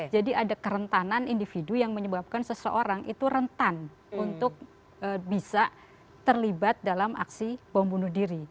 jadi ada kerentanan individu yang menyebabkan seseorang itu rentan untuk bisa terlibat dalam aksi bom bunuh diri